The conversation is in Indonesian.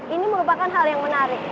ini merupakan hal yang menarik